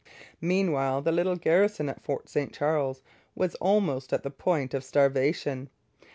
Meanwhile the little garrison at Fort St Charles was almost at the point of starvation.